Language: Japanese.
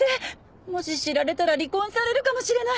もし知られたら離婚されるかもしれない。